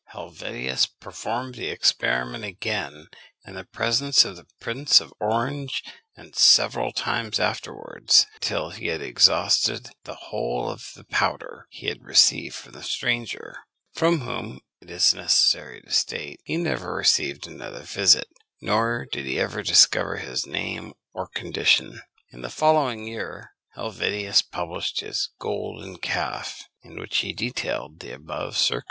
Helvetius performed the experiment again, in the presence of the Prince of Orange, and several times afterwards, until he exhausted the whole of the powder he had received from the stranger, from whom it is necessary to state, he never received another visit; nor did he ever discover his name or condition. In the following year, Helvetius published his Golden Calf, in which he detailed the above circumstances.